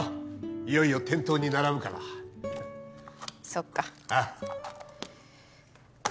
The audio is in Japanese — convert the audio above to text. いよいよ店頭に並ぶからそっかああ